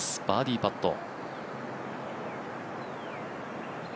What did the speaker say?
バーディーパット。